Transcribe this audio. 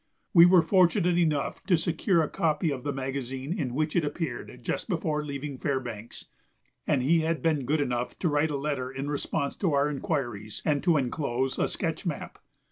We were fortunate enough to secure a copy of the magazine in which it appeared just before leaving Fairbanks, and he had been good enough to write a letter in response to our inquiries and to enclose a sketch map.